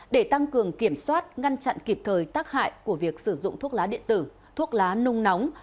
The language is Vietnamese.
để tăng cường kiểm soát ngăn chặn kịp thời tác hại của việc sử dụng thuốc lá điện tử thuốc lá nung nóng